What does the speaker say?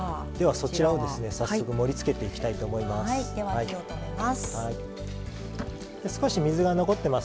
そちらをですね、早速盛りつけていきたいと思います。